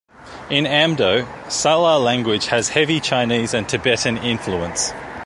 In Amdo, Salar language has heavy Chinese and Tibetan influence.